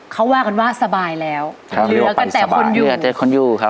เขาว่ากันว่าสบายแล้วเหลือกันแต่คนอยู่เหลือแต่คนอยู่ครับ